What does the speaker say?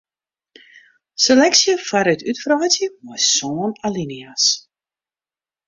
Seleksje foarút útwreidzje mei sân alinea's.